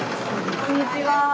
こんにちは。